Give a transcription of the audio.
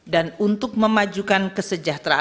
dan untuk memajukan kekuatan yang berbeda